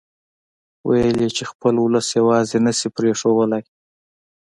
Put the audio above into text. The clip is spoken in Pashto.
ويل يې چې خپل اولس يواځې نه شي پرېښودلای.